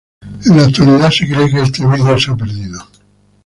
En la actualidad se cree que este video se ha perdido.